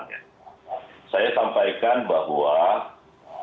saya sampaikan bahwa mungkin pertama kalinya dalam sejarah dewan perwakilan rakyat republik indonesia